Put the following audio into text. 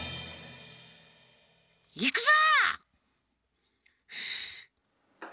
いくぞ！